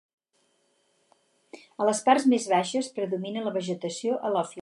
A les parts més baixes predomina la vegetació halòfila.